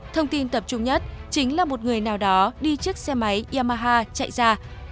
thông tin tập trung nhất chính là một người nào đó đi chiếc xe máy yamaha chạy ra